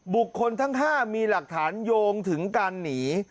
บุคคลทั้ง๕มีหลักฐานโยงถึงการหนี